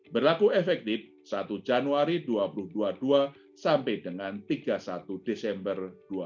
berlaku efektif satu januari dua ribu dua puluh dua sampai dengan tiga puluh satu desember dua ribu dua puluh